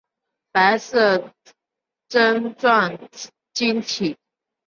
白色针状晶体。